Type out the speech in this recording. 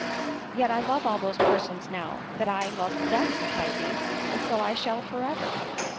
"Yet I love all those persons now, that I loved then," replied he; "and so I shall for ever."